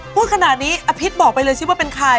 พูดขนาดนี้อภิษบอกไปเลยสิว่าเป็นใคร